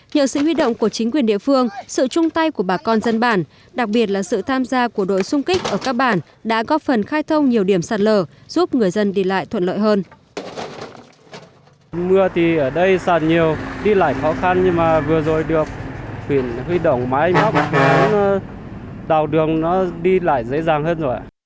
nhờ sự huy động của chính quyền địa phương sự chung tay của bà con dân bản đặc biệt là sự tham gia của đội xung kích ở các bản đã góp phần khai thông nhiều điểm sạt lở giúp người dân đi lại thuận lợi hơn